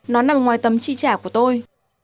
nó nằm ngoài tấm chi trả của tôi